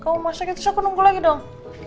kamu masakin terus aku nunggu lagi dong